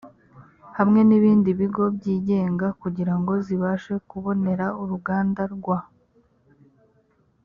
hamwe n ibindi bigo byigenga kugira ngo zibashe kubonera uruganda rwa